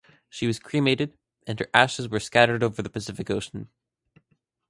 She was cremated, and her ashes were scattered over the Pacific Ocean.